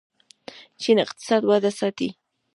چین اقتصادي وده ساتي.